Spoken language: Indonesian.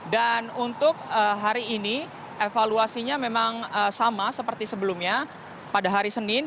dan untuk hari ini evaluasinya memang sama seperti sebelumnya pada hari senin